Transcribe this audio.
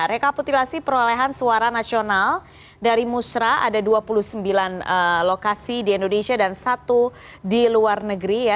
rekapitulasi perolehan suara nasional dari musra ada dua puluh sembilan lokasi di indonesia dan satu di luar negeri